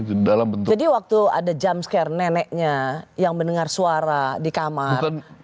jadi waktu ada jumpscare neneknya yang mendengar suara di kamar